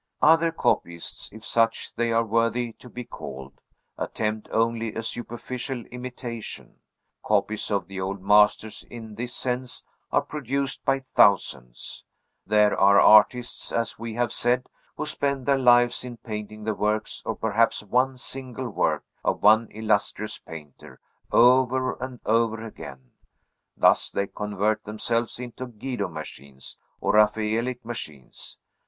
Other copyists if such they are worthy to be called attempt only a superficial imitation. Copies of the old masters in this sense are produced by thousands; there are artists, as we have said, who spend their lives in painting the works, or perhaps one single work, of one illustrious painter over and over again: thus they convert themselves into Guido machines, or Raphaelic machines.